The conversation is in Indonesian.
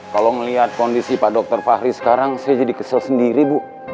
kalau melihat kondisi pak dr fahri sekarang saya jadi kesel sendiri bu